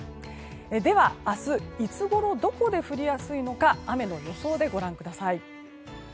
では明日、いつごろどこで降りやすいのか雨の予想でご覧ください。